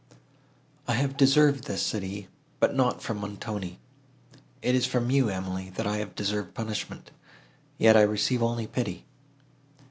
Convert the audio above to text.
"I have deserved this," said he, "but not from Montoni. It is from you, Emily, that I have deserved punishment, yet I receive only pity!"